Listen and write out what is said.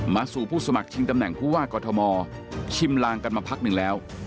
สู่ผู้สมัครชิงตำแหน่งผู้ว่ากอทมชิมลางกันมาพักหนึ่งแล้ว